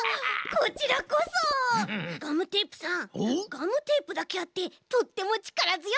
ガムテープだけあってとってもちからづよいこえですね！